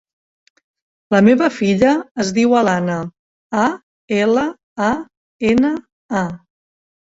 La meva filla es diu Alana: a, ela, a, ena, a.